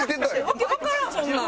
わけわからんそんなん。